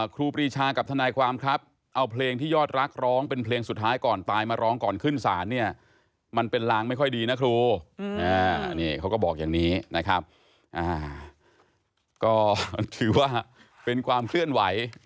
คือว่าเป็นความเคลื่อนไหว